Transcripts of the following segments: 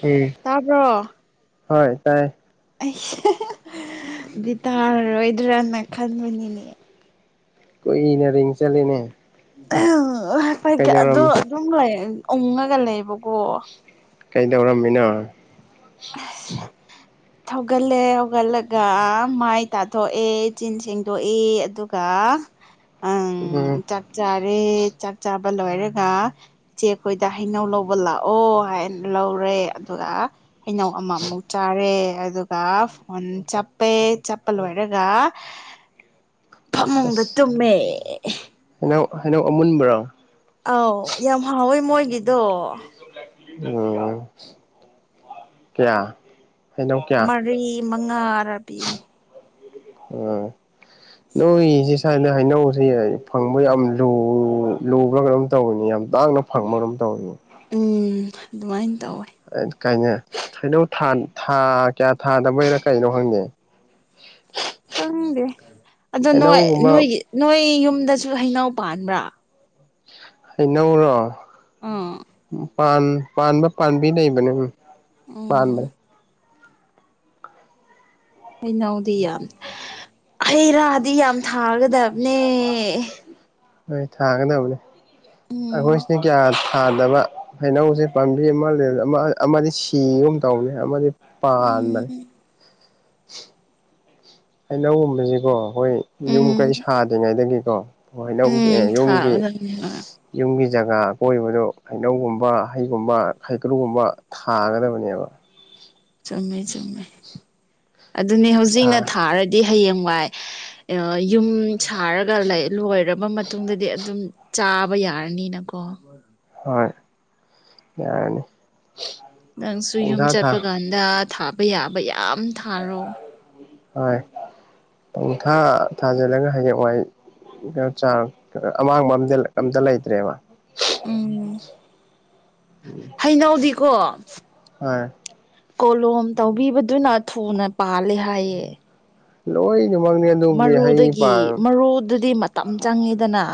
ꯍꯨꯝ ꯇꯥꯕ꯭ꯔꯣ ꯍꯣꯏ ꯇꯥꯏꯌꯦ ꯑꯩꯁ ꯕꯤꯇꯥꯔꯔꯣꯏꯗ꯭ꯔꯅ ꯈꯟꯕꯅꯤꯅꯦ ꯀꯨꯏꯅ ꯔꯤꯡ ꯆꯠꯂꯦꯅꯦ ꯄꯩꯒꯦ ꯑꯗꯣ ꯑꯗꯨꯝ ꯂꯩꯌꯦ ꯎꯪꯉꯒ ꯂꯩꯕꯀꯣ ꯀꯩꯗꯧꯔꯝꯃꯤꯅꯣ ꯊꯧꯒꯜꯂꯦ ꯍꯧꯒꯠꯂꯒ ꯃꯥꯏ ꯇꯥꯊꯣꯛꯑꯦ ꯆꯤꯟ ꯁꯦꯡꯗꯣꯛꯏ ꯑꯗꯨꯒ ꯑꯪ ꯎꯝ ꯆꯥꯛ ꯆꯥꯔꯦ ꯆꯥꯛ ꯆꯥꯕ ꯂꯣꯏꯔꯒ ꯆꯦ ꯈꯣꯏꯗ ꯍꯩꯅꯧ ꯂꯧꯕ ꯂꯥꯛꯑꯣ ꯍꯥꯏꯅ ꯂꯧꯔꯦ ꯑꯗꯨꯒ ꯍꯩꯅꯧ ꯑꯃꯥ ꯑꯃꯨꯛ ꯆꯥꯔꯦ ꯑꯗꯨꯒ ꯐꯣꯟ ꯆꯞꯄꯦ ꯆꯞꯄ ꯂꯣꯏꯔꯒ ꯐꯃꯨꯡꯗ ꯑꯁ ꯇꯨꯝꯃꯦ ꯍꯩꯅꯧ ꯍꯩꯅꯧ ꯑꯃꯨꯟꯕꯔꯣ ꯑꯥꯎ ꯌꯥꯝ ꯍꯥꯎꯋꯦ ꯃꯣꯏꯒꯤ ꯑꯣ ꯀꯌꯥ ꯍꯩꯅꯧ ꯀꯌꯥ ꯃꯔꯤ ꯃꯉꯥꯔꯥ ꯄꯤꯝꯅꯤ ꯑꯣ ꯅꯣꯏꯁꯦ ꯁꯥꯏꯗ ꯍꯩꯅꯧꯁꯦ ꯐꯪꯕ ꯌꯥꯝ ꯂꯨ ꯂꯨꯕ꯭ꯔꯥ ꯀꯩꯅꯣꯝ ꯇꯧꯕꯅꯤ ꯌꯥꯝ ꯇꯥꯡꯅ ꯐꯪꯕꯔ꯭ꯥ ꯀꯩꯅꯣꯝ ꯇꯧꯕꯅꯤ ꯎꯝ ꯑꯗꯨꯃꯥꯏꯟ ꯇꯧꯋꯦ ꯑꯟ ꯀꯥꯏꯅꯦ ꯍꯩꯅꯧ ꯊꯥꯟ ꯊꯥ ꯀꯌꯥ ꯊꯥꯗꯕꯩꯔꯥ ꯀꯩꯅꯣ ꯍꯪꯗꯦ [inaudible] ꯈꯪꯗꯦ ꯑꯗꯣ ꯅꯣꯏ ꯍꯩꯅꯧꯒꯨꯝꯕ ꯅꯣꯏꯒꯤ ꯅꯣꯏ ꯌꯨꯝꯗꯁꯨ ꯍꯩꯩꯅꯧ ꯄꯥꯟꯕ꯭ꯔꯥ ꯍꯩꯅꯧꯔꯣ ꯑꯥ ꯄꯥꯟ ꯄꯥꯟꯕ ꯄꯥꯟꯕꯤ ꯂꯩꯕꯅꯦ ꯎ ꯎꯝ ꯄꯥꯟꯕꯅꯦ ꯍꯩꯅꯧꯗꯤ ꯌꯥꯝ ꯍꯩ ꯔꯥꯗꯤ ꯌꯥꯝ ꯊꯥꯒꯗ ꯍꯣꯏ ꯊꯥꯒꯗꯕꯅꯦ ꯎꯝ ꯑꯩꯈꯣꯏꯁꯤꯅ ꯀꯌꯥ ꯊꯥꯗꯕ ꯍꯩꯅꯧꯁꯦ ꯄꯥꯝꯕꯤ ꯑꯃꯥ ꯂꯦ ꯑꯃ ꯑꯃꯥꯗꯤ ꯁꯤꯒꯨꯝ ꯇꯧꯕꯅꯦ ꯑꯃꯗꯤ ꯎꯝ ꯄꯥꯟꯕꯅꯦ ꯍꯩꯅꯧꯒꯨꯝꯕꯖꯤꯀꯣ ꯍꯣꯏ ꯌꯨꯝ ꯀꯩ ꯁꯥꯗ꯭ꯔꯤꯉꯩꯗꯒꯤꯀꯣ ꯍꯩꯅꯧꯒꯤ ꯎꯝ ꯌꯨꯝꯒꯤ ꯊꯥꯒꯗꯕꯅꯤ ꯍꯣꯏ ꯌꯨꯝꯒꯤ ꯖꯒꯥ ꯑꯀꯣꯏꯕꯗꯣ ꯍꯩꯅꯧꯒꯨꯝꯕ ꯍꯩꯒꯨꯝꯕ ꯍꯩꯀ꯭ꯔꯨꯒꯨꯝꯕ ꯊꯥꯒꯗꯕꯅꯦꯕ ꯆꯨꯝꯃꯦ ꯆꯨꯝꯃꯦ ꯑꯗꯨꯅꯦ ꯍꯧꯖꯤꯛꯅ ꯊꯥ ꯊꯥꯔꯗꯤ ꯍꯌꯦꯡ ꯋꯥꯏ ꯑꯥ ꯌꯨꯝ ꯁꯥꯔꯒ ꯂꯩ ꯂꯣꯏꯔꯕ ꯃꯇꯨꯡꯗꯗꯤ ꯑꯗꯨꯝ ꯆꯥꯕ ꯌꯥꯔꯅꯤꯅꯀꯣ ꯍꯣꯏ ꯌꯥꯔꯅꯤ ꯅꯪꯁꯨ ꯌꯨꯝ ꯄꯨꯡꯊꯥ ꯊꯥ ꯆꯠꯄ ꯀꯥꯟꯗ ꯊꯥꯕ ꯌꯥꯕ ꯌꯥꯝ ꯊꯥꯔꯣ ꯍꯣꯏ ꯄꯪꯊꯥ ꯊꯥꯖꯤꯜꯂꯒ ꯍꯩꯌꯦꯡ ꯋꯥꯏ ꯍꯦꯝꯆꯥꯛ ꯀ ꯑꯃꯥꯡꯕ ꯑꯝꯗ ꯑꯝꯇ ꯂꯩꯇ꯭ꯔꯦꯕ ꯍꯩꯩꯅꯧꯗꯤ ꯀꯣ ꯍꯣꯏ ꯀꯣꯂꯣꯝ ꯇꯧꯕꯤꯕꯗꯨꯅ ꯊꯨꯅ ꯄꯥꯜꯂꯦ ꯍꯥꯏꯌꯦ ꯂꯣꯏꯅꯃꯛꯅꯦ ꯃꯔꯨꯗꯒꯤ ꯃꯔꯨꯗꯨꯗꯤ ꯃꯇꯝ ꯆꯪꯉꯤꯗꯅ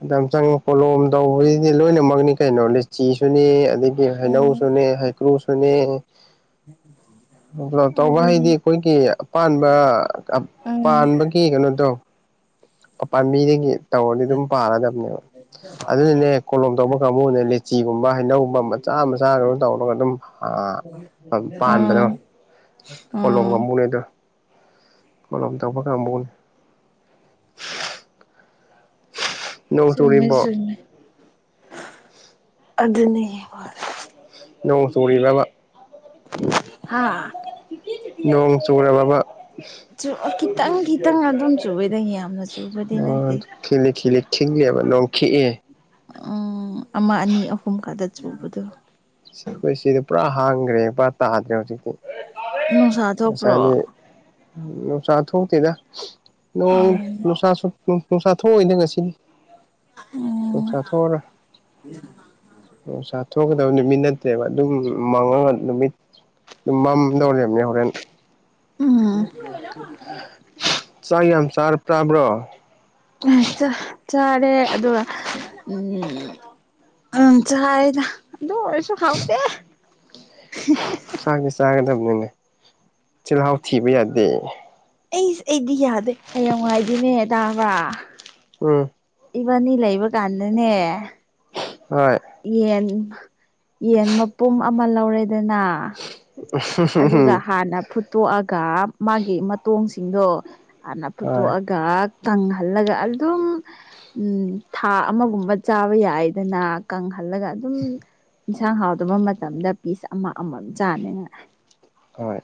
ꯃꯇꯝ ꯆꯪꯉꯤ ꯄꯣꯂꯣꯝ ꯇꯧꯕꯁꯤꯗꯤ ꯂꯣꯏꯅꯃꯛꯅꯤ ꯀꯩꯅꯣ ꯂꯤꯆꯤꯁꯨꯅꯤ ꯑꯗꯩ ꯒꯤ ꯎꯝ ꯍꯩꯅꯧꯁꯨꯅꯦ ꯍꯩꯀ꯭ꯔꯨꯁꯨꯅꯦ [inaudible] ꯇꯧꯕ ꯑꯗꯨꯅꯦ ꯍꯥꯏꯗꯤ ꯑꯩꯈꯣꯏꯒꯤ ꯑꯄꯥꯟꯕ ꯎꯝ ꯄꯥꯟꯕꯒꯤ ꯀꯩꯅꯣꯗꯣ ꯄꯥꯟꯕꯤꯗꯒꯤ ꯇꯧꯔꯗꯤ ꯑꯗꯨꯝ ꯄꯥꯟꯂꯗꯝꯅꯦꯕ ꯑꯗꯨꯅꯅꯦ ꯀꯣꯂꯣꯝ ꯇꯧꯕ ꯀꯥꯡꯕꯨꯅꯦꯗꯤ ꯆꯤꯒꯨꯝꯕ ꯍꯩꯅꯧꯒꯨꯝꯕ ꯃꯆꯥ ꯃꯆꯥꯒ ꯇꯧꯔꯒ ꯑꯗꯨꯝ ꯑ ꯎꯝ ꯄꯥꯟꯕꯗꯣ ꯎꯝ ꯀꯣꯂꯣꯝꯒ ꯃꯨꯅꯦ ꯑꯗꯣ ꯃꯣꯂꯣꯝ ꯇꯧꯕ ꯀꯥꯡꯕꯨꯅꯦ ꯅꯣꯡ ꯆꯨꯝꯃꯦ ꯆꯨꯔꯤꯕꯣ ꯆꯨꯝꯃꯦ ꯑꯗꯨꯅꯤ ꯅꯣꯡ ꯆꯨꯔꯤꯕ꯭ꯔꯕ ꯍꯥꯥ ꯅꯣꯡ ꯆꯨꯔꯕꯕ ꯈꯤꯇꯪ ꯈꯤꯇꯪ ꯑꯗꯨꯝ ꯆꯨꯋꯦꯗ ꯌꯥꯝꯅ ꯆꯨꯕꯗꯤ ꯅꯠꯇꯦ [unintelligible] ꯈꯤꯂꯤ ꯈꯤꯂꯤ ꯈꯤꯛꯑꯦꯕ ꯅꯣꯡꯈꯤꯛꯑꯦ ꯎꯝ ꯑꯃ ꯑꯅꯤ ꯑꯍꯨꯝ ꯈꯗ ꯆꯨꯕꯗꯣ ꯑꯩꯈꯣꯏ ꯁꯤꯗ ꯄꯨꯔꯥ ꯍꯥꯡꯈ꯭ꯔꯦ ꯄꯨꯔꯥ ꯇꯥꯗ꯭ꯔꯦ ꯍꯧꯖꯤꯛꯇꯤ ꯅꯨꯡꯁꯥ ꯊꯣꯛꯄ꯭ꯔꯣ ꯉꯁꯥꯏꯗꯤ ꯅꯨꯡꯁꯥ ꯊꯣꯛꯇꯦꯗ ꯅꯣꯡ ꯎꯝ ꯅꯨꯡꯁꯥꯁꯨ ꯅꯨꯡꯁꯥ ꯊꯣꯛꯑꯣꯢꯗ ꯉꯁꯤꯗꯤ ꯎꯝ ꯅꯨꯡꯁꯥ ꯊꯣꯛꯑꯔꯣꯢ ꯅꯨꯡꯁꯥ ꯑꯣ ꯊꯣꯛꯒꯗꯕ ꯅꯨ ꯅꯠꯇꯦꯕ ꯑꯗꯨꯝ ꯃꯪꯉꯒ ꯅꯨꯃꯤꯠ ꯑꯗꯨꯝ ꯃꯝꯗꯧꯔꯕꯅꯦ ꯍꯣꯔꯦꯟ ꯎꯝ ꯆꯥꯛ ꯌꯥꯝ ꯆꯔꯥ ꯇꯥꯕ꯭ꯔꯣ ꯑꯁ ꯆ ꯆꯥꯔꯦ ꯑꯗꯨꯒ ꯎꯝ ꯑꯪ ꯆꯥꯔꯦꯗ ꯑꯗꯨ ꯑꯣꯏꯔꯁꯨ ꯍꯥꯎꯇꯦ ꯆꯥꯛꯅꯦ ꯆꯥꯒꯗꯝꯅꯤꯅꯦ ꯆꯤꯜꯍꯥꯎ ꯊꯤꯕ ꯌꯥꯗꯦ ꯑꯩꯁ ꯑꯩꯗꯤ ꯌꯥꯗꯦ ꯍꯌꯦꯡ ꯋꯥꯢꯗꯤꯅꯦ ꯇꯕꯔ ꯎꯝ ꯏꯕꯥꯅꯤ ꯂꯩꯕ ꯀꯥꯟꯗꯅꯦ ꯍꯣꯏ ꯌꯦꯟ ꯌꯦꯟ ꯃꯄꯨꯝ ꯑꯃ ꯂꯧꯔꯦꯗꯅ ꯑꯗꯨꯒ ꯍꯥꯟꯅ ꯐꯨꯠꯇꯣꯛꯑꯒ ꯃꯥꯒꯤ ꯃꯇꯣꯡꯁꯤꯡꯗꯣ ꯍꯥꯟꯅ ꯍꯣꯏ ꯐꯨꯠꯇꯣꯛꯑꯒ ꯀꯥ ꯀꯪ ꯍꯜꯂꯒ ꯑꯗꯨꯝ ꯎꯝ ꯊꯥ ꯑꯃꯒꯨꯝꯕ ꯆꯥꯕ ꯌꯥꯏꯗꯅ ꯀꯪꯍꯜꯂꯒ ꯑꯗꯨꯝ ꯢꯟꯁꯥꯡ ꯍꯥꯎꯗꯕ ꯃꯇꯝꯗ ꯄꯤꯁ ꯑꯃ ꯑꯃꯝ ꯆꯥꯅꯤꯉꯥꯏ ꯍꯣꯏ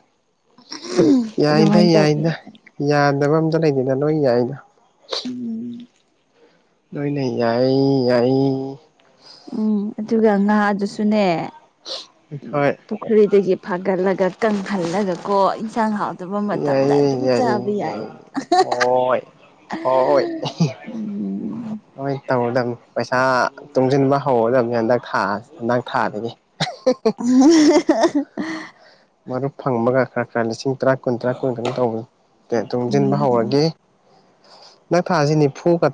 ꯌꯥꯏꯗ ꯑꯗꯨꯃꯥꯏꯅ ꯇꯧꯕ ꯌꯥꯏꯗ ꯌꯥꯏ ꯌꯥꯗꯕ ꯑꯝꯇ ꯂꯩꯇꯦꯗ ꯂꯣꯢ ꯌꯥꯏꯗ ꯎꯝ ꯂꯣꯢꯅ ꯌꯥꯏꯌꯤ ꯌꯥꯏꯌꯤ ꯎꯝ ꯑꯗꯨꯒ ꯉꯥ ꯑꯗꯨꯁꯨꯅꯦ ꯍꯣꯏ ꯄꯨꯛ ꯄꯨꯈꯔꯤꯗꯒꯤ ꯐꯥꯒꯠꯂꯒ ꯀꯪꯍꯜꯂꯒ ꯀꯣ ꯏꯟꯁꯥꯡ ꯍꯥꯎ ꯗꯕ ꯃꯇꯝꯗ ꯌꯥꯏꯌꯦ ꯑꯗꯨꯝ ꯆꯥꯕ ꯌꯥꯏꯌꯦ ꯌꯥꯏ ꯑ ꯌꯥꯏꯌꯦ ꯍꯣꯏ ꯍꯣꯏ ꯎꯝ ꯍꯣꯏ ꯇꯧꯒꯗꯝꯅꯤ ꯄꯩꯁꯥ ꯇꯨꯡꯖꯤꯡꯕ ꯍꯧꯔꯗꯝꯅꯤ ꯍꯟꯗꯛ ꯊꯥ ꯍꯟꯗꯛ ꯊꯥꯗꯒꯤ [unintelligible] ꯃꯔꯨꯞ ꯐꯪꯕꯒ ꯈꯔ ꯈꯔ ꯂꯤꯁꯤꯡ ꯇꯔꯥ ꯀꯨꯟ ꯇꯔꯥ ꯀꯨꯟ ꯀꯩꯅꯣ ꯇꯧꯅꯤ ꯇꯨꯡꯖꯤꯡꯕ ꯎꯝ ꯍꯧꯔꯒꯤ ꯍꯟꯗꯥꯛ ꯊꯥꯁꯤ ꯅꯤꯐꯨꯒ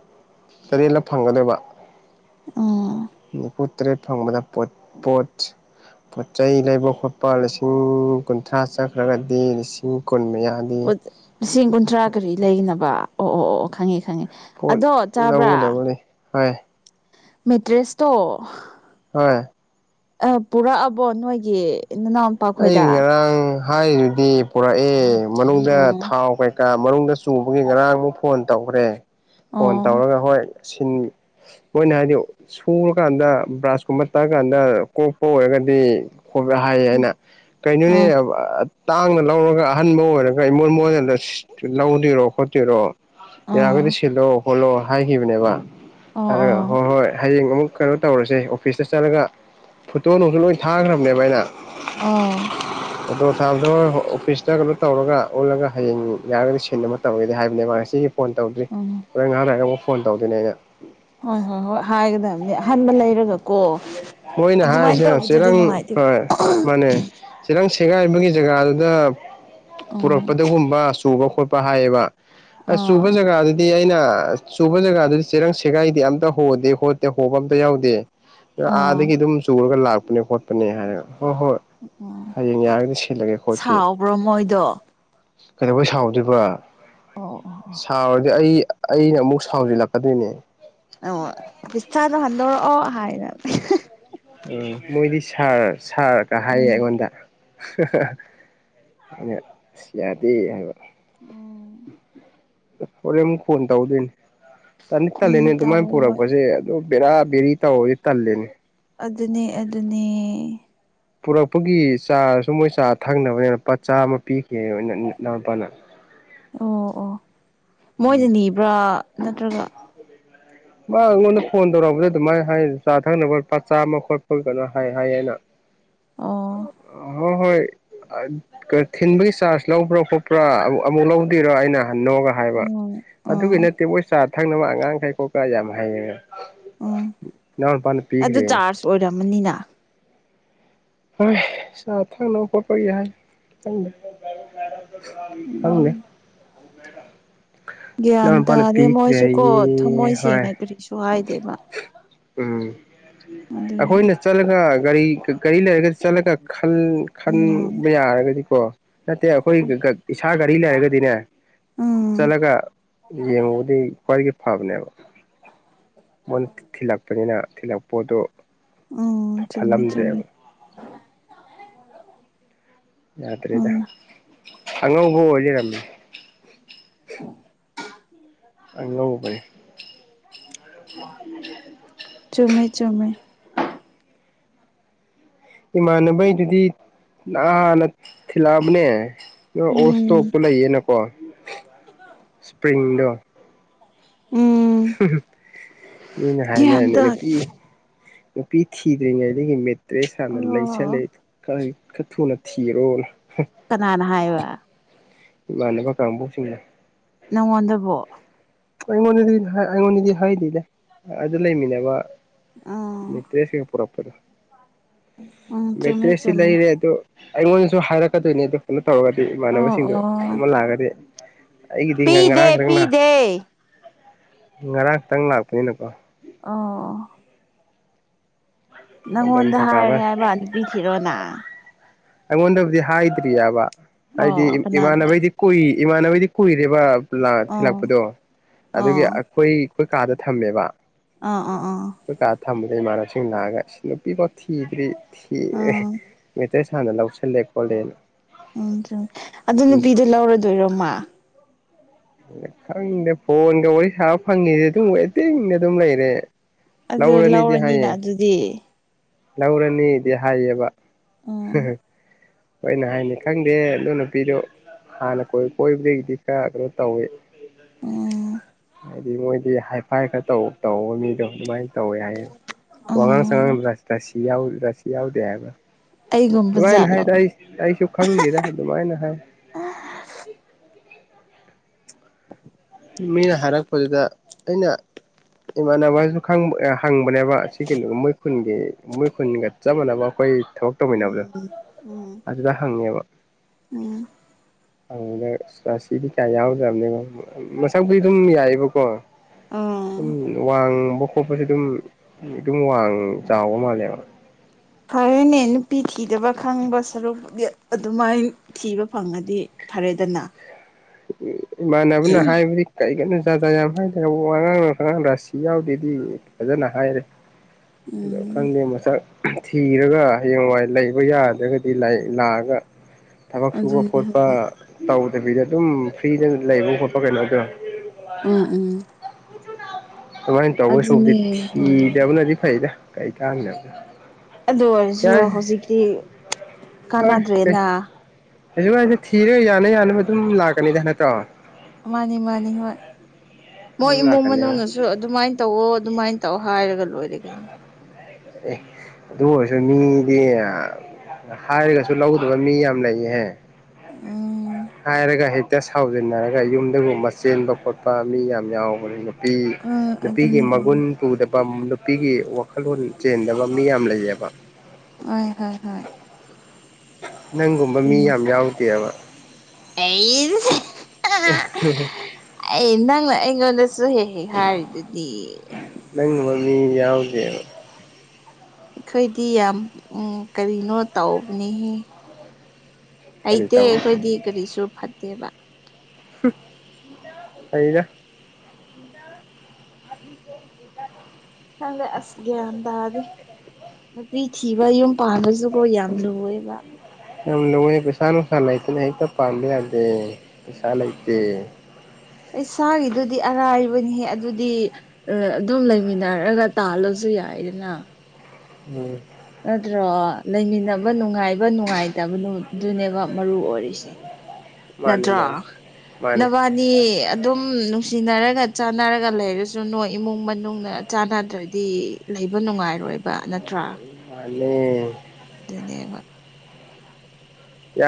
ꯇꯔꯦꯠꯂꯛ ꯐꯪꯒꯗꯕ ꯑꯣ ꯅꯤꯐꯨ ꯇꯔꯦꯠ ꯐꯪꯕꯗ ꯄꯣꯠ ꯄꯣꯠ ꯄꯣꯠꯆꯩ ꯂꯩꯕ ꯈꯣꯠꯄ ꯂꯥꯁꯤ ꯎꯝ ꯀꯨꯟꯊ꯭ꯔꯥ ꯆꯠꯈ꯭ꯔꯒꯗꯤ ꯂꯤꯁꯤꯡ ꯀꯨꯟ ꯃꯌꯥ ꯎꯠ ꯂꯤꯁꯤꯡ ꯀꯨꯟꯊ꯭ꯔꯥ ꯀꯔꯤ ꯂꯩꯅꯕ ꯑꯣ ꯑꯣ ꯑꯣ ꯈꯪꯉꯦ ꯈꯪꯉꯦ ꯑꯗꯣ ꯆꯥꯕ꯭ꯔꯥ ꯍꯣꯢ ꯃꯦꯇ꯭ꯔꯦꯁꯇꯣ ꯍꯣꯏ ꯑꯦ ꯄꯨꯔꯛꯑꯕꯣ ꯅꯣꯏꯒꯤ ꯅꯅꯥꯎ ꯑꯩ ꯉꯔꯥꯡ ꯍꯥꯏꯔꯤꯗꯨꯗꯤ ꯄꯨꯔꯛꯑꯦ ꯃꯅꯨꯡꯗ ꯑꯣ ꯊꯥꯎ ꯀꯩꯀ ꯀꯥ ꯃꯅꯨꯡꯗ ꯆꯣꯡꯕꯒꯤ ꯉꯔꯥꯡꯃꯨꯛ ꯐꯣꯟ ꯇꯧꯒ꯭ꯔꯦ ꯐꯣꯟ ꯑꯣ ꯇꯧꯔꯒ ꯍꯣꯏ ꯁꯤꯟ ꯃꯣꯏꯅ ꯍꯥꯏꯗꯤ ꯁꯨꯔꯀꯥꯟꯗ ꯕ꯭ꯔꯁꯀꯨꯝꯕ ꯇꯛꯑꯀꯥꯟꯗ ꯀꯣꯛꯄ ꯑꯣꯏꯔꯒꯗꯤ ꯍꯣꯕ꯭ꯔꯥ ꯍꯥꯏꯌꯦꯅ ꯀꯩꯅꯣꯅꯦ ꯑꯥ ꯑ ꯇꯥꯡꯅ ꯂꯧꯔꯒ ꯑꯍꯟꯕ ꯑꯣꯏꯔꯒ ꯏꯃꯣꯏ ꯃꯣꯏꯅ ꯂꯁꯤꯠ ꯂꯧꯗꯨꯏꯔꯣ ꯈꯣꯠꯇꯨꯏꯔꯣ ꯌꯥꯔꯒꯗꯤ ꯑꯥ ꯁꯤꯜꯂꯣ ꯍꯣꯠꯂꯣ ꯍꯥꯏꯈꯤꯕꯅꯦꯕ ꯑꯣ ꯍꯥꯏꯔꯒ ꯑꯣ ꯍꯣꯏ ꯍꯣꯏ ꯍꯌꯦꯡ ꯑꯃꯨꯛ ꯀꯩꯅꯣ ꯇꯧꯔꯁꯦ ꯑꯣꯐꯤꯁꯇ ꯆꯠꯂꯒ ꯐꯣꯇꯣ ꯅꯨꯡꯖꯨ ꯂꯣꯏ ꯊꯥꯒ꯭ꯔꯝꯅꯦꯕ ꯑꯩꯅ ꯑꯧ ꯑꯣꯇꯣ ꯇꯥꯕꯗꯣ ꯑꯣꯐꯤꯁꯇ ꯀꯩꯅꯣ ꯇꯧꯔꯒ ꯑꯣꯜꯂꯒ ꯍꯌꯦꯡ ꯌꯥꯔꯒꯗꯤ ꯁꯤꯟ ꯑꯃ ꯇꯧꯔꯒꯦ ꯍꯥꯏꯕꯅꯦ ꯃꯥ ꯉꯁꯤꯒꯤ ꯐꯣꯟ ꯇꯧꯗ꯭ꯔꯤ ꯑꯪ ꯑꯪ ꯍꯣꯔꯦꯟ ꯉꯥꯍꯥꯛ ꯂꯩꯔꯒ ꯑꯃꯨꯛ ꯐꯣꯟ ꯇꯧꯗꯣꯏꯅꯦ ꯑꯩꯅ ꯍꯣꯏ ꯍꯣꯏ ꯍꯣꯏ ꯍꯥꯏꯒꯗꯕꯅꯤ ꯑꯍꯟꯕ ꯂꯩꯔꯒꯀꯣ ꯃꯣꯏꯅ ꯑꯗꯨꯃꯥꯏꯅ ꯍꯥꯏꯔꯤꯁꯦ ꯇꯧꯕꯗꯨꯗꯤ ꯆꯦꯔꯪ ꯅꯨꯡꯉꯥꯏꯇꯦꯕ ꯍꯣꯏ ꯃ ꯑꯅꯦ ꯆꯦꯔꯪ ꯁꯦꯒꯥꯏꯕꯒꯤ ꯖꯒꯥꯗꯨꯗ ꯎꯝ ꯄꯨꯔꯛꯄꯗꯒꯨꯝꯕ ꯆꯨ ꯆꯨꯕ ꯈꯣꯠꯄ ꯍꯥꯏꯌꯦꯕ ꯑꯁ ꯆꯨꯕ ꯑꯥ ꯖꯒꯥꯗꯨꯗꯤ ꯑꯩꯅ ꯑꯁ ꯆꯨꯕ ꯖꯒꯥꯗꯨꯗꯤ ꯆꯦꯔꯪ ꯁꯦꯒꯥꯏꯗꯦ ꯑꯝꯇ ꯍꯣꯗꯦ ꯍꯣꯠꯇꯦ ꯍꯣꯕ ꯑꯝꯇ ꯌꯥꯎꯗꯦ ꯑꯥ ꯉꯥꯑꯥꯟꯗꯒꯤ ꯑꯗꯨꯝ ꯆꯨꯔꯒ ꯂꯥꯛꯄꯅꯦ ꯈꯣꯠꯄꯅꯦ ꯍꯥꯏꯔꯒ ꯍꯣꯏ ꯍꯣꯏ ꯑꯥ ꯍꯌꯦꯡ ꯌꯥꯔꯒꯗꯤ ꯁꯤꯜꯂꯒꯦ ꯈꯣꯠꯀꯦ ꯁꯥꯎꯕ꯭ꯔꯣ ꯃꯣꯏꯗꯣ ꯀꯩꯗꯧꯕꯩ ꯁꯥꯎꯗꯩꯕ ꯑꯣ ꯑꯣ ꯁꯥꯎꯔꯗꯤ ꯑꯩ ꯑꯩꯅ ꯑꯃꯨꯛ ꯁꯥꯎꯖꯤꯜꯂꯛꯀꯗꯣꯏꯅꯦ ꯑꯣ ꯄꯩꯁꯥꯗꯣ ꯍꯟꯗꯣꯔꯛꯑꯣ ꯍꯥꯏꯅ [unintelligible] ꯎꯝ ꯃꯣꯏꯗꯤ ꯁꯥꯔ ꯁꯥꯔꯒ ꯍꯥꯏꯌꯦ ꯎꯝ ꯑꯩꯉꯣꯟꯗ ꯍ ꯍ ꯑꯩꯅ ꯏꯁ ꯌꯥꯗꯦ ꯍꯥꯏꯕ ꯎꯝ ꯍꯣꯔꯦꯟ ꯑꯃꯨꯛ ꯐꯣꯟ ꯇꯧꯗꯨꯏꯅꯤ ꯇꯟꯗꯤ ꯎꯝ ꯇꯜꯂꯤꯅꯦ ꯑꯗꯨ ꯃꯥꯅ ꯇꯧꯋꯦ ꯍꯣꯏ ꯄꯨꯔꯛꯄꯁꯦ ꯑꯗꯣ ꯕꯦꯔꯥ ꯕꯦꯔꯤ ꯇꯧꯔꯗꯤ ꯇꯜꯂꯦꯅꯦ ꯑꯗꯨꯅꯦ ꯑꯗꯨꯅꯦ ꯄꯨꯔꯛꯄꯒꯤ ꯆꯥ꯭ꯔꯁꯨ ꯃꯣꯏ ꯆꯥ ꯊꯛꯅꯕꯅꯦꯅ ꯂꯨꯄꯥ ꯆꯥꯃ ꯄꯤꯈꯤꯑꯦꯕꯅꯦ ꯅ ꯅ ꯏꯅꯥꯎ ꯅꯨꯄꯥꯅ ꯑꯣ ꯑꯣ ꯃꯣꯏꯗ ꯅꯤꯕ꯭ꯔꯥ ꯅꯠꯇ꯭ꯔꯒ ꯃꯥ ꯑꯩꯉꯣꯟꯗ ꯐꯣꯟ ꯇꯧꯔꯛꯄꯗꯩ ꯑꯗꯨꯃꯥꯏ ꯍꯥꯏ ꯆꯥ ꯊꯛꯅꯕ ꯂꯨꯄꯥ ꯆꯥꯝꯃ ꯈꯣꯠꯄ ꯀꯩꯅꯣ ꯍꯥꯏ ꯍꯥꯏꯑꯦꯅ ꯑꯣ ꯑ ꯍꯣꯏ ꯍꯣꯏ ꯑꯩ ꯀꯩ ꯊꯤꯟꯕꯒꯤ ꯆꯥ꯭ꯔꯖ ꯂꯧꯕ꯭ꯔꯥ ꯈꯣꯠꯄ꯭ꯔꯥ ꯑꯃꯨꯛ ꯑꯃꯨꯛ ꯂꯧꯗꯣꯏꯔꯥ ꯑꯩꯅ ꯍꯟꯅꯣꯛꯑꯒ ꯍꯥꯏꯕ ꯎꯝ ꯑꯗꯨꯒꯤ ꯑꯥ ꯅꯠꯇꯦ ꯃꯣꯏ ꯆꯥ ꯊꯛꯅꯕ ꯑꯉꯥꯡꯈꯩ ꯈꯣꯠꯄ꯭ꯔꯥ ꯌꯥꯝ ꯍꯩꯌꯦꯅ ꯎꯝ ꯑꯗꯨ ꯄꯤꯈ꯭ꯔꯦ ꯆꯥ꯭ꯔꯖ ꯑꯣꯏꯔꯝꯃꯅꯤꯅ ꯍꯣꯏ ꯆꯥ ꯊꯛꯅꯕ ꯈꯣꯠꯄꯒꯤ ꯍꯥꯏ ꯈꯪꯗꯦ ꯈꯪꯗꯦ ꯎꯝ ꯒ꯭ꯌꯥꯟ ꯏꯅꯥꯎ ꯅꯨꯄꯥꯅ ꯇꯥꯗꯦ ꯄꯤꯈ꯭ꯔꯦ ꯃꯣꯏꯁꯨꯀꯣ ꯍꯥꯏꯌꯦ ꯊꯝꯃꯣꯏ ꯍꯣꯏ ꯁꯦꯡꯅ ꯀꯔꯤꯁꯨ ꯍꯥꯏꯗꯦꯕ ꯎꯝ ꯑꯗꯨꯒꯤ ꯑꯩꯈꯣꯏꯅ ꯆꯠꯂꯒ ꯒꯥꯔꯤ ꯒꯥꯔꯤ ꯂꯩꯔꯒ ꯆꯠꯂꯒ ꯈꯜ ꯎꯝ ꯈꯟꯕ ꯌꯥꯔꯒꯗꯤꯀꯣ ꯅꯠꯇꯦ ꯑꯩꯈꯣꯏꯒ ꯒ ꯏꯁ ꯏꯁꯥ ꯒꯥꯔꯤ ꯂꯩꯔꯒꯗꯤꯅꯦ ꯎꯝ ꯆꯠꯂꯒ ꯌꯦꯡꯉꯨꯕꯗꯤ ꯈ꯭ꯋꯥꯏꯒꯤ ꯐꯕꯅꯦꯕ ꯃꯣꯏꯅ ꯊꯤꯜꯂꯛꯄꯅꯤꯅ ꯊꯤꯜꯂꯛꯄ ꯄꯣꯠꯇꯣ ꯎꯝ ꯆꯨꯝꯃꯦ ꯆꯨꯝꯃꯦ ꯌꯥꯗ꯭ꯔꯦꯗ ꯎꯝ ꯑꯉꯧꯕ ꯑꯣꯏ ꯂꯩꯔꯝꯃꯦ ꯑꯉꯧꯕꯩ ꯆꯨꯝꯃꯦ ꯆꯨꯝꯃꯦ ꯏꯃꯥꯟꯅꯕꯩꯗꯨꯗꯤ ꯅꯥꯍꯥꯟꯅ ꯊꯤꯜꯂꯛꯑꯕꯅꯦ ꯑꯗꯣ ꯎꯝ ꯑꯣꯜꯏꯁꯇꯣꯛꯇꯨ ꯂꯩꯌꯦꯅꯀꯣ ꯏꯁꯄ꯭ꯔꯤꯡꯗꯣ ꯎꯝ ꯍꯝ ꯍꯝ ꯃꯤꯅ ꯒ꯭ꯌꯥꯟ ꯍꯥꯏꯅꯔꯅꯤꯅꯦ ꯇꯥ ꯅꯨꯄꯤ ꯅꯨꯄꯤ ꯊꯤꯗ꯭ꯔꯤꯉꯩꯗꯒꯤ ꯃꯦꯠꯇ꯭ꯔꯦꯁ ꯍꯥꯟꯅ ꯑꯣ ꯂꯩꯁꯤꯜꯂꯦ ꯈꯩ ꯈꯔ ꯊꯨꯅ ꯊꯤꯔꯣꯅ ꯀꯅꯥꯅ ꯍꯥꯏꯕ ꯢꯃꯥꯟꯅꯕ ꯀꯥꯡꯕꯧꯁꯤꯡꯅ ꯅꯪꯉꯣꯟꯗꯕꯣ ꯑꯩꯉꯣꯟꯗꯗꯤ ꯍ ꯑꯩꯉꯣꯟꯗꯗꯤ ꯍꯥꯏꯗꯦꯗ ꯑꯥꯗ ꯂꯩꯃꯤꯟꯅꯕ ꯎꯝ ꯃꯦꯠꯇ꯭ꯔꯦꯁ ꯍꯦ ꯄꯨꯔꯛꯄꯗꯣ ꯎꯝ ꯆꯨꯝꯃꯦ ꯃꯦꯠꯇ꯭ꯔꯦꯁꯇꯤ ꯆꯨꯝꯃꯦ ꯂꯩꯔꯦ ꯑꯗꯣ ꯑꯩꯉꯣꯟꯗꯁꯨ ꯍꯥꯏꯔꯛꯀꯗꯣꯏꯅꯤ ꯑꯗꯣ ꯇꯧꯔꯒꯗꯤ ꯑꯣ ꯏꯃꯥꯟꯅꯕꯁꯤꯡꯗꯣ ꯑꯣ ꯑꯗꯨꯝꯕ ꯂꯥꯛꯑꯒꯗꯤ ꯑꯩꯒꯤꯗꯤ ꯄꯤꯗꯦ ꯉꯔꯥꯡ ꯈꯔ ꯄꯤꯗꯦ ꯉꯔꯥꯡ ꯈꯛꯇꯪ ꯂꯥꯛꯄꯅꯤꯅꯀꯣ ꯑꯧ ꯑꯗꯨ ꯅꯪꯉꯣꯟꯗ ꯅꯤꯡꯊꯧꯀꯥꯕ ꯍꯥꯏꯔꯦ ꯍꯥꯏꯕ ꯅꯨꯄꯤ ꯊꯤꯔꯣꯅ ꯑꯩꯉꯣꯟꯗꯕꯨꯗꯤ ꯍꯥꯏꯗ꯭ꯔꯤꯑꯕ ꯍꯥꯏꯗꯤ ꯑꯣ ꯀꯅꯥꯗ ꯏꯃꯥꯟꯅꯕꯩꯗꯤ ꯀꯨꯏ ꯏꯃꯥꯟꯅꯅꯕꯩꯗꯤ ꯀꯨꯏꯔꯦꯕ ꯂ ꯑꯣ ꯊꯤꯜꯂꯛꯄꯗꯣ ꯑꯗꯨꯒꯤ ꯑꯣ ꯑ ꯈꯣꯏ ꯑꯩꯈꯣꯏ ꯀꯥꯗ ꯊꯝꯃꯦꯕ ꯑꯥ ꯑ ꯑꯥ ꯈꯣꯢ ꯀꯥ ꯊꯝꯕꯗꯩ ꯏꯃꯥꯟꯅꯕꯁꯤꯡ ꯂꯥꯛꯑꯒ ꯁꯤ ꯅꯨꯄꯤꯐꯥꯎ ꯊꯤꯗ꯭ꯔꯤ ꯊꯤ ꯑ ꯑꯥ ꯃꯦꯠꯇ꯭ꯔꯦꯁ ꯁꯥꯅ ꯂꯧꯁꯜꯂꯦ ꯈꯣꯠꯂꯦꯅ ꯎꯝ ꯑꯗꯨ ꯅꯨꯄꯤꯗꯣ ꯂꯧꯔꯗꯣꯏꯔꯣ ꯃꯥ ꯈꯪꯗꯦ ꯐꯣꯟꯒ ꯋꯥꯔꯤ ꯁꯥꯕ ꯐꯪꯉꯤꯁꯦ ꯑꯗꯨꯝ ꯋꯦꯇꯤꯡꯗ ꯑꯗꯨꯝ ꯂꯩꯔꯦ ꯂꯧꯔꯅꯤꯗꯤ ꯍꯥꯏꯌꯦ ꯗꯤ ꯂꯧꯔꯅꯤꯗꯤ ꯍꯥꯏꯌꯦꯕ ꯍ ꯎꯝ ꯍ ꯃꯣꯢꯅ ꯍꯥꯏꯅꯦ ꯈꯪꯗꯦ ꯑꯗꯨ ꯅꯨꯄꯤꯗꯣ ꯍꯥꯟꯅ ꯀꯣꯏꯕ ꯀꯣꯏꯕꯗꯒꯤꯗꯤ ꯈꯔ ꯀꯩꯅꯣ ꯇꯧꯏ ꯎꯝ ꯍꯥꯏꯗꯤ ꯃꯣꯏꯗꯤ ꯍꯥꯏꯐꯥꯏ ꯈꯔ ꯇꯧ ꯇꯧꯕ ꯃꯤꯗꯣ ꯑꯗꯨꯃꯥꯏꯅ ꯇꯧꯋꯦ ꯍꯥꯏꯌꯦ ꯋꯥꯉꯥꯡ ꯎꯝ ꯁꯉꯥꯡ ꯂꯥꯢ ꯔꯁꯤ ꯌꯥꯎ ꯔꯁꯤ ꯌꯥꯎꯗꯦ ꯍꯥꯏꯕ ꯑꯩꯒꯨꯝꯕ ꯑꯗꯨꯃꯥꯏꯅ ꯖꯥꯠꯂꯣ ꯍꯥꯏꯗ ꯑꯩ ꯑꯩꯁꯨ ꯈꯪꯗꯦꯗ ꯑꯗꯨꯃꯥꯏꯅ ꯍꯥꯏ ꯃꯤꯅ ꯍꯥꯏꯔꯛꯄꯗꯨꯗ ꯑꯩꯅ ꯏꯃꯥꯟꯅꯕꯁꯨ ꯈꯪꯕ ꯑ ꯍꯪꯕꯅꯦꯕ ꯁꯤꯒꯤ ꯃꯣꯢ ꯈꯨꯟꯒꯤ ꯃꯣꯢ ꯈꯨꯟꯒ ꯆꯞ ꯃꯥꯟꯅꯕ ꯑꯩꯈꯣꯏ ꯊꯕꯛ ꯇꯧꯃꯤꯟꯅꯕꯗꯣ ꯎꯝ ꯎꯝ ꯑꯗꯨꯗ ꯍꯪꯉꯦꯕ ꯎꯝ ꯑꯗꯨꯗ ꯑꯁ ꯔꯥꯁꯤꯗꯤ ꯀꯌꯥ ꯌꯥꯎꯗꯕꯅꯦ ꯃꯁꯛꯕꯨꯨꯗꯤ ꯑꯗꯨꯝ ꯌꯥꯏꯌꯦꯕꯀꯣ ꯎꯝ ꯋꯥꯡꯃꯣ ꯈꯣꯠꯄꯁꯦ ꯑꯗꯨꯝ ꯑꯗꯨꯝ ꯋꯥꯡ ꯆꯥꯎꯕ ꯃꯥꯜꯂꯦꯕ ꯐꯔꯦꯅꯦ ꯅꯨꯄꯤ ꯊꯤꯗꯕ ꯈꯪꯕ ꯁꯔꯨꯛꯄꯨꯗꯤ ꯑꯗꯨꯃꯥꯏ ꯊꯤꯕ ꯐꯪꯉꯗꯤ ꯐꯔꯦꯗꯅ ꯎꯝ ꯏꯃꯥꯟꯅꯕꯅ ꯍꯥꯏꯕꯅꯤ ꯀꯩꯒꯅꯨ ꯖꯥꯠꯖꯥꯠ ꯌꯥꯝ ꯍꯥꯏꯗꯦ ꯋꯥꯉꯥꯡ ꯁꯉꯥꯡ ꯔꯥꯁꯤ ꯌꯥꯎꯗꯦꯗꯤ ꯐꯖꯅ ꯍꯥꯏꯔꯦ ꯗꯣ ꯎꯝ ꯈꯪꯗꯦ ꯃꯁꯛ ꯊꯤꯔꯒ ꯍꯌꯦꯡꯋꯥꯏ ꯂꯩꯕ ꯌꯥꯗ꯭ꯔꯒꯗꯤ ꯂꯥꯏ ꯂꯥꯛꯑꯒ ꯊꯕꯛ ꯁꯨꯕ ꯑꯗꯨꯅꯦ ꯈꯣꯠꯄ ꯍꯣꯏ ꯇꯧꯗꯕꯤꯗ ꯑꯗꯨꯝ ꯐ꯭ꯔꯤꯗ ꯂꯩꯕ ꯈꯣꯠꯄ ꯀꯩꯅꯣꯗꯣ ꯎꯝ ꯎꯝ ꯁꯨꯃꯥꯏ ꯇꯧꯗꯣꯏ ꯁꯔꯨꯛꯄꯨꯗꯤ ꯑꯗꯨꯅꯦ ꯍꯣꯏ ꯍꯣꯏ ꯊꯤꯗꯕꯅꯗꯤ ꯐꯩꯗ ꯀꯩꯀꯥꯟꯗꯕꯗ ꯑꯗꯨ ꯑꯣꯏꯔꯁꯨ ꯍꯧꯖꯤꯛꯇꯤ ꯀꯥꯟꯅꯗ꯭ꯔꯦꯅ ꯍꯧꯖꯤꯀꯥꯟꯗꯤ ꯊꯤꯔ ꯌꯥꯅ ꯌꯥꯅꯕ ꯑꯗꯨꯝ ꯂꯥꯛꯀꯅꯤꯗ ꯅꯠꯇ꯭ꯔꯣ ꯃꯥꯅꯤ ꯃꯥꯅꯤ ꯍꯣꯏ ꯃꯣꯏ ꯑꯗꯨꯝ ꯏꯃꯨꯡ ꯂꯥꯛꯀꯅꯦꯕ ꯃꯅꯨꯡꯅꯁꯨ ꯑꯗꯨꯃꯥꯏ ꯇꯧꯋꯣ ꯑꯗꯨꯃꯥꯏꯟ ꯇꯧ ꯍꯥꯏꯔꯒ ꯂꯣꯏꯔꯦ ꯀꯩꯅꯣ ꯑꯦ ꯑꯗꯨ ꯑꯣꯏꯔꯁꯨ ꯃꯤꯗꯤ ꯑ ꯍꯥꯏꯔꯒꯁꯨ ꯂꯧꯗꯕ ꯃꯤ ꯌꯥꯝ ꯂꯩꯍꯦ ꯎꯝ ꯍꯥꯏꯔꯒ ꯍꯦꯛꯇ ꯁꯥꯎꯖꯤꯟꯅꯔꯒ ꯌꯨꯝꯗꯒꯨꯝꯕ ꯆꯦꯟꯕ ꯈꯣꯠꯄ ꯃꯤ ꯌꯥꯝ ꯌꯥꯎꯕꯅꯤꯅꯦ ꯕꯤ ꯑ ꯅꯨꯄꯤꯒꯤ ꯑꯗꯨꯅꯦ ꯃꯒꯨꯟ ꯑꯗꯨꯅꯦ ꯄꯨꯗꯕ ꯅꯨꯄꯤꯒꯤ ꯋꯥꯈꯜꯂꯣꯟ ꯆꯦꯟꯗꯕ ꯃꯤ ꯌꯥꯝ ꯂꯩꯌꯦꯕ ꯍꯣꯢ ꯍꯣꯏ ꯍꯣꯏ ꯅꯪꯒꯨꯝꯕ ꯃꯤ ꯑꯗꯨꯃꯥꯏ ꯌꯥꯝ ꯌꯥꯎꯗꯦꯕ ꯑꯩꯁ [unintelligible] [unintelligible] ꯑꯩ ꯅꯪꯅ ꯑꯩꯉꯣꯟꯗꯁꯨ ꯍꯦꯛ ꯍꯦꯛ ꯍꯥꯏꯔꯤꯗꯨꯗꯤ ꯅꯪꯒꯨꯝꯕ ꯃꯤ ꯌꯥꯎꯗꯦꯕ ꯑꯩꯈꯣꯏꯗꯤ ꯌꯥꯝ ꯎꯝ ꯀꯔꯤꯅꯣ ꯇꯧꯕꯅꯤꯍꯦ ꯀꯔꯤ ꯍꯩꯇꯦ ꯇꯧꯕ ꯑꯩꯈꯣꯏꯗꯤ ꯀꯔꯤꯁꯨ ꯐꯠꯇꯦꯕ [unintelligible] ꯐꯩꯗ [unintelligible] [inaudible] ꯈꯪꯗꯦ ꯑꯁ ꯒ꯭ꯌꯥꯟ ꯇꯥꯗꯦ ꯅꯨꯄꯤ ꯊꯤꯕ ꯌꯨꯝ ꯄꯥꯟꯕꯁꯨꯀꯣ ꯌꯥꯝ ꯂꯨꯋꯦꯕ ꯌꯥꯝ ꯂꯨꯋꯦ ꯄꯩꯁꯥ ꯅꯨꯡꯁꯥ ꯂꯩꯥꯇꯅ ꯍꯦꯛꯇ ꯄꯥꯟꯕ ꯌꯥꯗꯦ ꯄꯩꯁꯥ ꯂꯩꯇꯦ ꯄꯩꯁꯥꯒꯤꯗꯨꯗꯤ ꯑꯔꯥꯏꯕꯅꯤꯍꯦ ꯑꯗꯨꯗꯤ ꯑꯗꯨꯝ ꯂꯩꯃꯤꯟꯅꯔꯒ ꯇꯥꯜꯂꯁꯨ ꯌꯥꯏꯗꯅ ꯎꯝ ꯅꯠꯇ꯭ꯔꯣ ꯂꯩꯃꯤꯟꯅꯕ ꯅꯨꯡꯉꯥꯏꯕ ꯅꯨꯡꯉꯥꯏꯇꯞꯗꯨ ꯗꯨꯅꯦꯕ ꯃꯔꯨ ꯑꯣꯏꯔꯤꯁꯦ ꯃꯥꯅꯦ ꯃꯥꯅꯦ ꯅꯠꯇ꯭ꯔꫭ ꯃꯥꯅꯦ ꯅꯕꯥꯟ ꯅꯤ ꯑꯗꯨꯝ ꯅꯨꯡꯁꯤꯅꯔꯒ ꯆꯥꯟꯅꯔꯒ ꯂꯩꯔꯁꯨ ꯅꯣꯏ ꯏꯃꯨꯡ ꯃꯅꯨꯡꯅ ꯆꯥꯟꯅꯗ꯭ꯔꯗꯤ ꯂꯩꯕ ꯅꯨꯡꯉꯥꯏꯔꯣꯏꯕ ꯅꯠꯇ꯭ꯔ ꯃꯥꯟꯅꯦ ꯗꯨꯅꯦꯕ ꯌꯥ